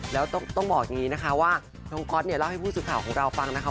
แล้วต้องบอกอย่างนี้นะคะว่าน้องก๊อตเนี่ยเล่าให้ผู้สื่อข่าวของเราฟังนะคะ